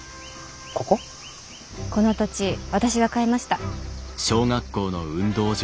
この土地私が買いました。